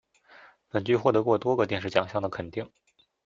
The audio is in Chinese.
本剧获得过多个电视奖项的肯定。